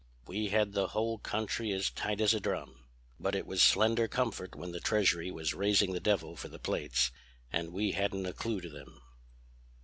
We had the whole country as tight as a drum. But it was slender comfort when the Treasury was raising the devil for the plates and we hadn't a clew to them."